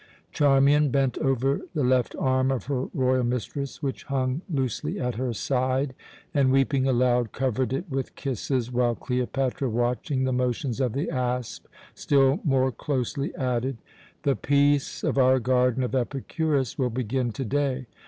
Charmian bent over the left arm of her royal mistress, which hung loosely at her side, and, weeping aloud, covered it with kisses, while Cleopatra, watching the motions of the asp still more closely, added: "The peace of our garden of Epicurus will begin to day.